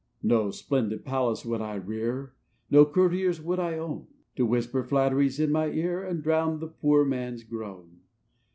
"No splendid palace would I rear; No courtiers would I own; To whisper flatt'ries in my ear, And drown the poor man's groan.